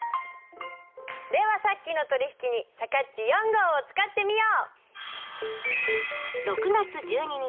ではさっきの取引にさかっち４号を使ってみよう！